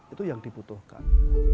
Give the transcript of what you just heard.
itu yang dibutuhkan